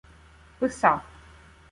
писав: